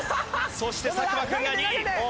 そして作間君が２位。